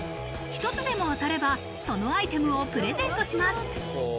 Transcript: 一つでも当たれば、そのアイテムをプレゼントします。